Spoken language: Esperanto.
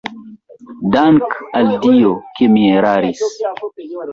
Dank' al Dio, ke mi eraris!